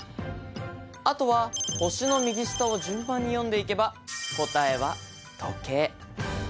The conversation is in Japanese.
あとは★の右下を順番に読んでいけば答えは「時計」。